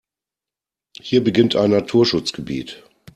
Hier beginnt ein Naturschutzgebiet.